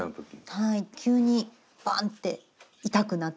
はい急にバーンって痛くなって体が。